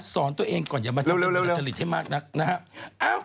สอนตัวเองก่อนยะเรื่องหนักมากนะครับ